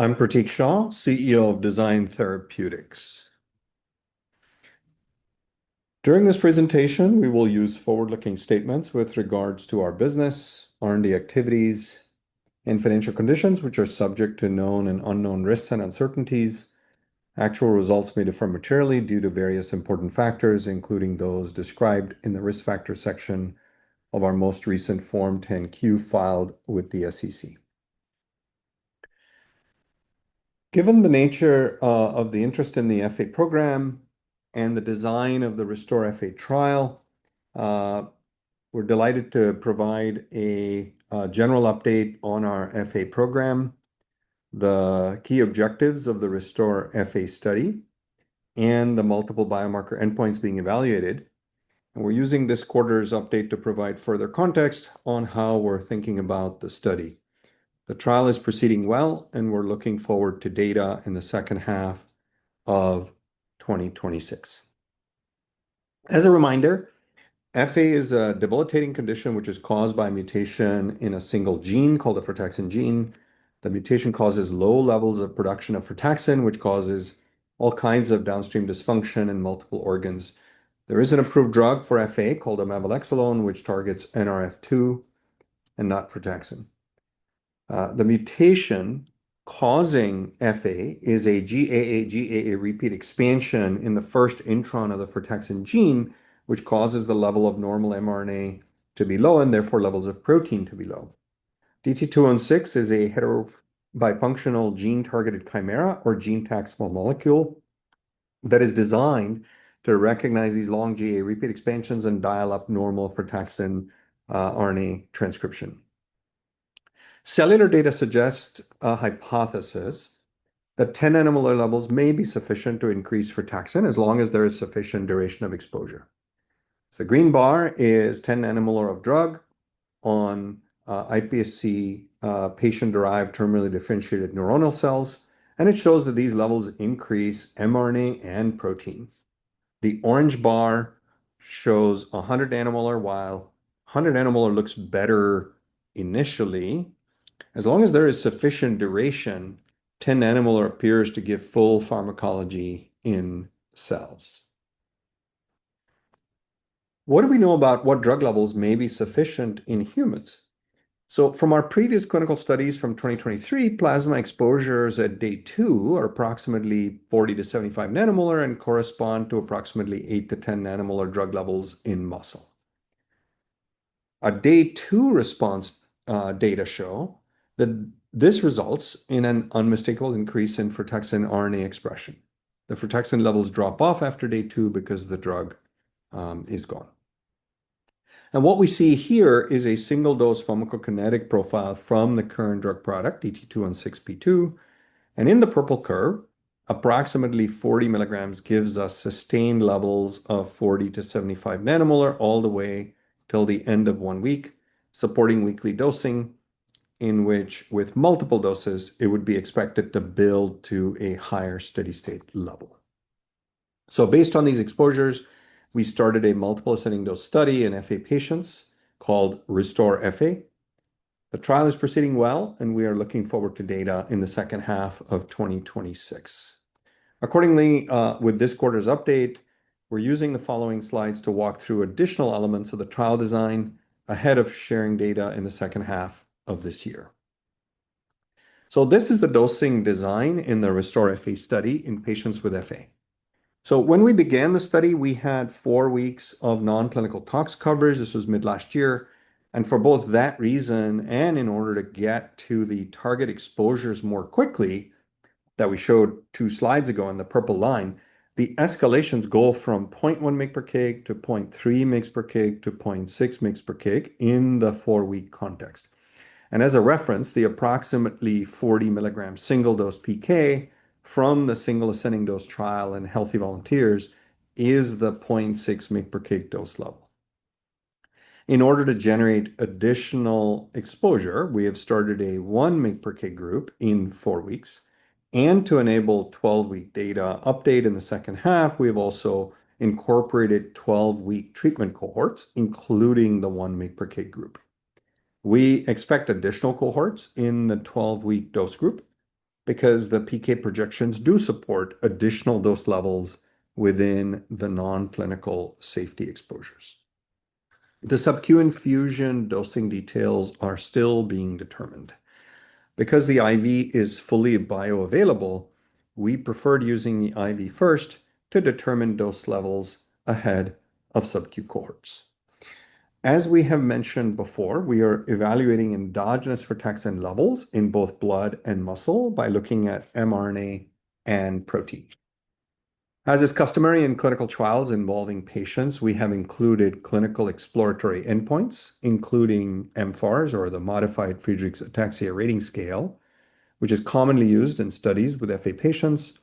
I'm Pratik Shah, Chief Executive Officer of Design Therapeutics. During this presentation, we will use forward-looking statements with regards to our business, R&D activities, and financial conditions, which are subject to known and unknown risks and uncertainties. Actual results may differ materially due to various important factors, including those described in the risk factor section of our most recent Form 10-Q filed with the SEC. Given the nature of the interest in the FA program and the design of the RESTORE-FA trial, we're delighted to provide a general update on our FA program, the key objectives of the RESTORE-FA study, and the multiple biomarker endpoints being evaluated. We're using this quarter's update to provide further context on how we're thinking about the study. The trial is proceeding well, and we're looking forward to data in the second half of 2026. As a reminder, FA is a debilitating condition which is caused by a mutation in a single gene called a frataxin gene. The mutation causes low levels of production of frataxin, which causes all kinds of downstream dysfunction in multiple organs. There is an approved drug for FA called omaveloxolone, which targets Nrf2 and not frataxin. The mutation causing FA is a GAA-GAA repeat expansion in the first intron of the frataxin gene, which causes the level of normal mRNA to be low and therefore levels of protein to be low. DT-216 is a heterobifunctional gene-targeted chimera or GeneTAC molecule that is designed to recognize these long GAA repeat expansions and dial up normal frataxin RNA transcription. Cellular data suggests a hypothesis that 10 nanomolar levels may be sufficient to increase frataxin as long as there is sufficient duration of exposure. Green bar is 10 nanomolar of drug on iPSC, patient-derived terminally differentiated neuronal cells, and it shows that these levels increase mRNA and protein. The orange bar shows 100 nanomolar while 100 nanomolar looks better initially. As long as there is sufficient duration, 10 nanomolar appears to give full pharmacology in cells. What do we know about what drug levels may be sufficient in humans? From our previous clinical studies from 2023, plasma exposures at day two are approximately 40 nanomolar-75 nanomolar and correspond to approximately 8 nanomolar-10 nanomolar drug levels in muscle. A day two response, data show that this results in an unmistakable increase in frataxin RNA expression. The frataxin levels drop off after day two because the drug is gone. What we see here is a single-dose pharmacokinetic profile from the current drug product, DT-216P2. In the purple curve, approximately 40 milligrams gives us sustained levels of 40 nanomolar-75 nanomolar all the way till the end of one week, supporting weekly dosing, in which with multiple doses, it would be expected to build to a higher steady-state level. Based on these exposures, we started a multiple ascending dose study in FA patients called RESTORE-FA. The trial is proceeding well, and we are looking forward to data in the second half of 2026. Accordingly, with this quarter's update, we're using the following slides to walk through additional elements of the trial design ahead of sharing data in the second half of this year. This is the dosing design in the RESTORE-FA study in patients with FA. When we began the study, we had four weeks of non-clinical tox coverage. This was mid last year. For both that reason and in order to get to the target exposures more quickly that we showed two slides ago in the purple line, the escalations go from 0.1 mg per kg-0.3 mg per kg to 0.6 mg per kg in the four-week context. As a reference, the approximately 40-milligram single-dose PK from the single ascending dose trial in healthy volunteers is the 0.6 mg per kg dose level. In order to generate additional exposure, we have started a 1 mg per kg group in four weeks, and to enable 12-week data update in the second half, we have also incorporated 12-week treatment cohorts, including the 1 mg per kg group. We expect additional cohorts in the 12-week dose group because the PK projections do support additional dose levels within the non-clinical safety exposures. The subcu infusion dosing details are still being determined. The IV is fully bioavailable, we preferred using the IV first to determine dose levels ahead of subcu cohorts. As we have mentioned before, we are evaluating endogenous frataxin levels in both blood and muscle by looking at mRNA and protein. As is customary in clinical trials involving patients, we have included clinical exploratory endpoints, including mFARS or the Modified Friedreich's Ataxia Rating Scale, which is commonly used in studies with FA patients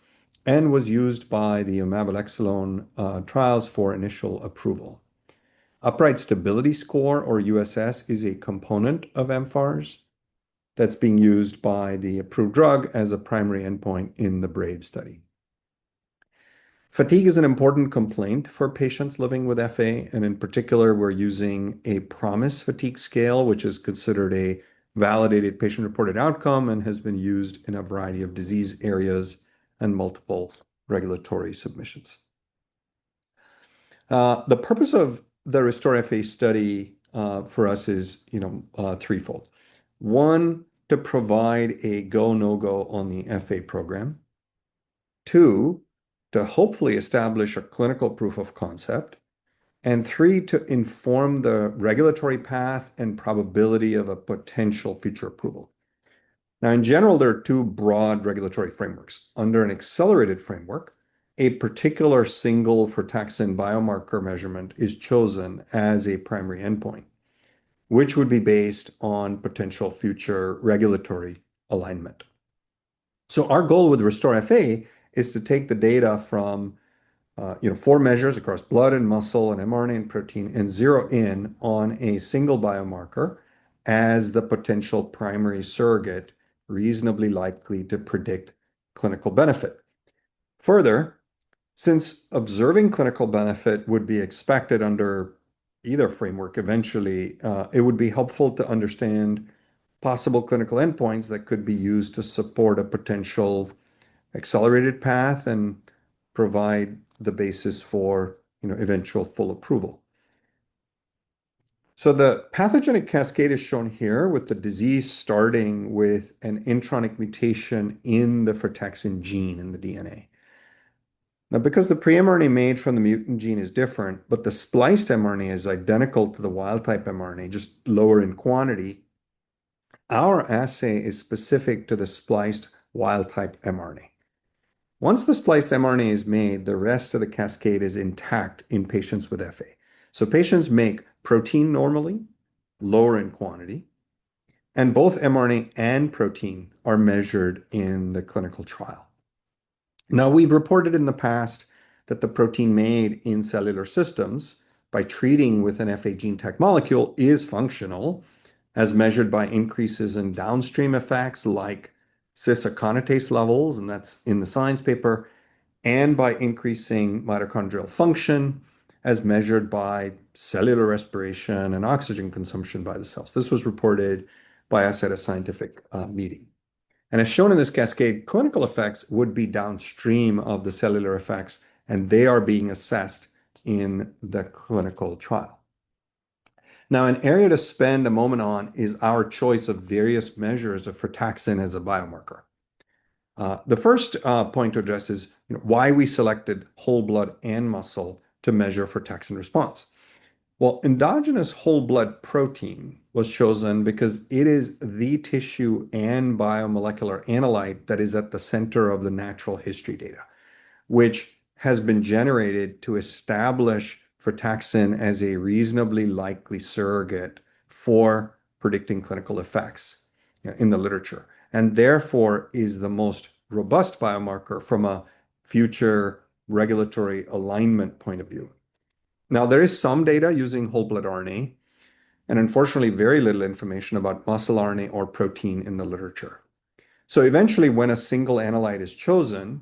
and was used by the omaveloxolone trials for initial approval. Upright Stability Score, or USS, is a component of mFARS that's being used by the approved drug as a primary endpoint in the BRAVE study. Fatigue is an important complaint for patients living with FA, and in particular, we're using a PROMIS Fatigue Scale, which is considered a validated patient-reported outcome and has been used in a variety of disease areas and multiple regulatory submissions. The purpose of the RESTORE-FA study for us is, you know, threefold. One, to provide a go, no-go on the FA program. Two, to hopefully establish a clinical proof of concept. Three, to inform the regulatory path and probability of a potential future approval. Now, in general, there are two broad regulatory frameworks. Under an accelerated framework, a particular single frataxin biomarker measurement is chosen as a primary endpoint, which would be based on potential future regulatory alignment. Our goal with RESTORE-FA is to take the data from, you know, four measures across blood and muscle and mRNA and protein and zero in on a single biomarker as the potential primary surrogate reasonably likely to predict clinical benefit. Further, since observing clinical benefit would be expected under either framework eventually, it would be helpful to understand possible clinical endpoints that could be used to support a potential accelerated path and provide the basis for, you know, eventual full approval. The pathogenic cascade is shown here with the disease starting with an intronic mutation in the frataxin gene in the DNA. Now, because the pre-mRNA made from the mutant gene is different, but the spliced mRNA is identical to the wild-type mRNA, just lower in quantity, our assay is specific to the spliced wild-type mRNA. Once the spliced mRNA is made, the rest of the cascade is intact in patients with FA. Patients make protein normally, lower in quantity, and both mRNA and protein are measured in the clinical trial. We've reported in the past that the protein made in cellular systems by treating with an FA GeneTAC molecule is functional as measured by increases in downstream effects like cis-aconitate levels, and that's in the science paper, and by increasing mitochondrial function as measured by cellular respiration and oxygen consumption by the cells. This was reported by us at a scientific meeting. As shown in this cascade, clinical effects would be downstream of the cellular effects, and they are being assessed in the clinical trial. An area to spend a moment on is our choice of various measures of frataxin as a biomarker. The first point to address is, you know, why we selected whole blood and muscle to measure frataxin response. Well, endogenous whole blood protein was chosen because it is the tissue and biomolecular analyte that is at the center of the natural history data, which has been generated to establish frataxin as a reasonably likely surrogate for predicting clinical effects in the literature, and therefore is the most robust biomarker from a future regulatory alignment point of view. There is some data using whole blood RNA, and unfortunately, very little information about muscle RNA or protein in the literature. Eventually, when a single analyte is chosen,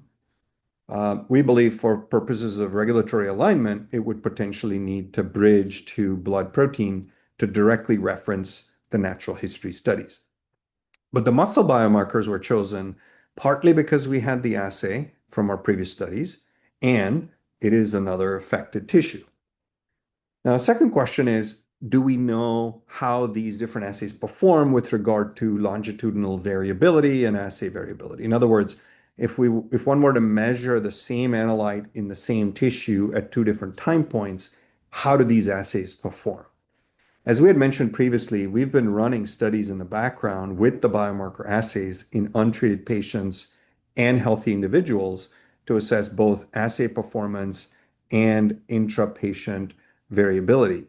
we believe for purposes of regulatory alignment, it would potentially need to bridge to blood protein to directly reference the natural history studies. The muscle biomarkers were chosen partly because we had the assay from our previous studies, and it is another affected tissue. The second question is: Do we know how these different assays perform with regard to longitudinal variability and assay variability? In other words, if one were to measure the same analyte in the same tissue at two different time points, how do these assays perform? As we had mentioned previously, we've been running studies in the background with the biomarker assays in untreated patients and healthy individuals to assess both assay performance and intra-patient variability.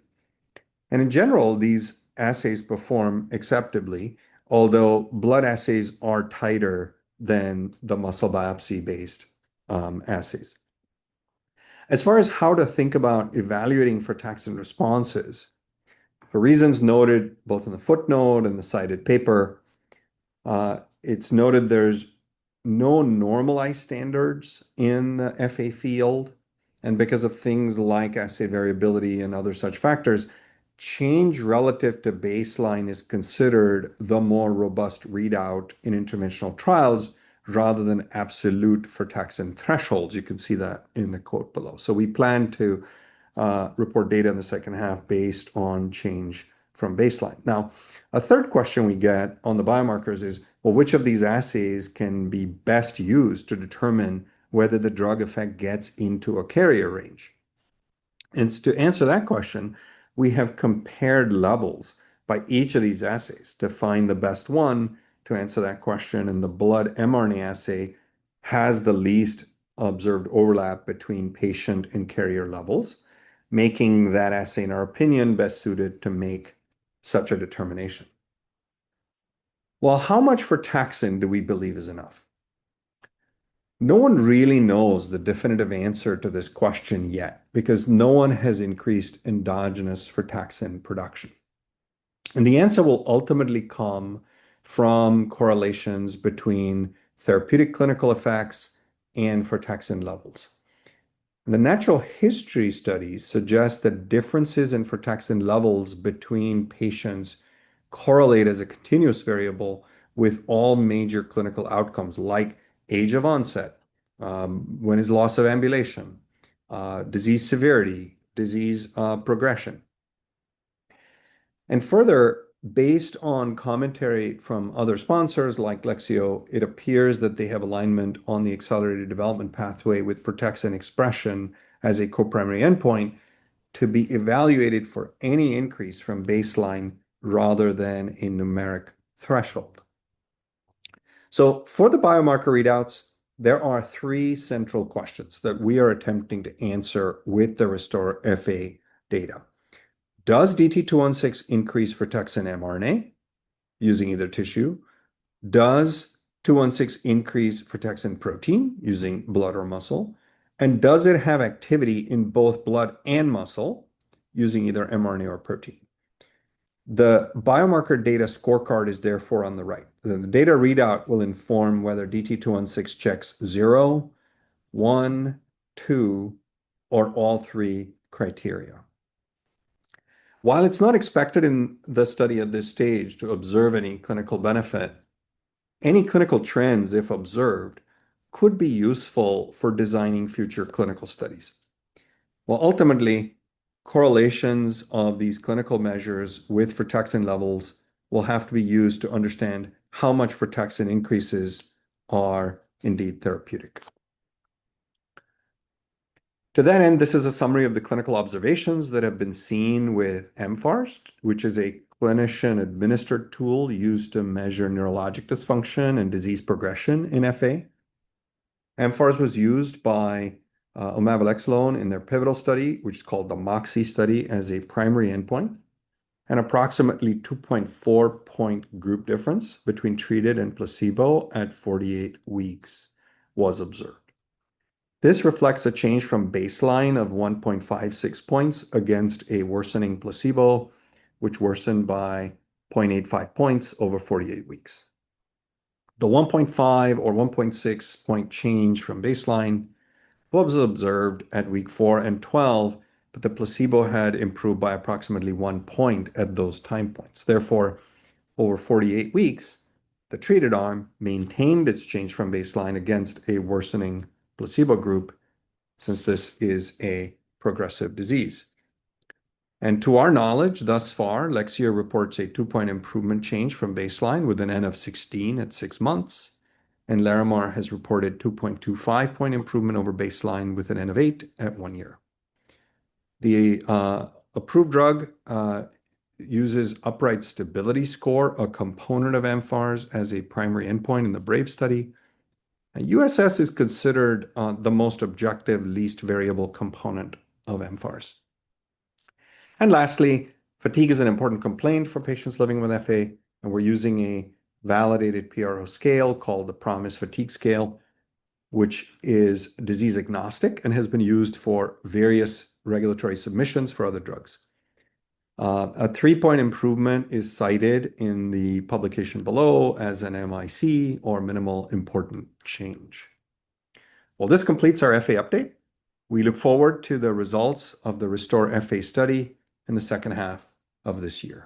In general, these assays perform acceptably, although blood assays are tighter than the muscle biopsy-based assays. As far as how to think about evaluating frataxin responses, for reasons noted both in the footnote and the cited paper, it's noted there's no normalized standards in the FA field, and because of things like assay variability and other such factors, change relative to baseline is considered the more robust readout in interventional trials rather than absolute frataxin thresholds. You can see that in the quote below. We plan to report data in the second half based on change from baseline. Now, a third question we get on the biomarkers is, well, which of these assays can be best used to determine whether the drug effect gets into a carrier range? To answer that question, we have compared levels by each of these assays to find the best one to answer that question, and the blood mRNA assay has the least observed overlap between patient and carrier levels, making that assay, in our opinion, best suited to make such a determination. Well, how much frataxin do we believe is enough? No one really knows the definitive answer to this question yet because no one has increased endogenous frataxin production. The answer will ultimately come from correlations between therapeutic clinical effects and frataxin levels. The natural history studies suggest that differences in frataxin levels between patients correlate as a continuous variable with all major clinical outcomes like age of onset, when is loss of ambulation, disease severity, disease progression. Further, based on commentary from other sponsors like Lexeo, it appears that they have alignment on the accelerated development pathway with frataxin expression as a co-primary endpoint to be evaluated for any increase from baseline rather than a numeric threshold. For the biomarker readouts, there are three central questions that we are attempting to answer with the RESTORE-FA data. Does DT-216 increase frataxin mRNA using either tissue? Does 216 increase frataxin protein using blood or muscle? Does it have activity in both blood and muscle using either mRNA or protein? The biomarker data scorecard is therefore on the right. The data readout will inform whether DT-216 checks zero, one, two, or all three criteria. It's not expected in the study at this stage to observe any clinical benefit, any clinical trends, if observed, could be useful for designing future clinical studies. Ultimately, correlations of these clinical measures with frataxin levels will have to be used to understand how much frataxin increases are indeed therapeutic. To that end, this is a summary of the clinical observations that have been seen with mFARS, which is a clinician administered tool used to measure neurologic dysfunction and disease progression in FA. mFARS was used by omaveloxolone in their pivotal study, which is called the MOXIe study, as a primary endpoint. An approximately 2.4 point group difference between treated and placebo at 48 weeks was observed. This reflects a change from baseline of 1.56 points against a worsening placebo, which worsened by 0.85 points over 48 weeks. The 1.5 point or 1.6 point change from baseline was observed at week four and week 12, but the placebo had improved by approximately 1 point at those time points. Therefore, over 48 weeks, the treated arm maintained its change from baseline against a worsening placebo group since this is a progressive disease. To our knowledge, thus far, Lexeo reports a 2-point improvement change from baseline with an N of 16 at 6 months, and Larimar has reported 2.25 point improvement over baseline with an N of 8 at one year. The approved drug uses upright stability score, a component of mFARS, as a primary endpoint in the BRAVE study. USS is considered the most objective, least variable component of mFARS. Lastly, fatigue is an important complaint for patients living with FA, and we're using a validated PRO scale called the PROMIS Fatigue Scale, which is disease agnostic and has been used for various regulatory submissions for other drugs. A 3-point improvement is cited in the publication below as an MIC or minimal important change. Well, this completes our FA update. We look forward to the results of the RESTORE-FA study in the second half of this year.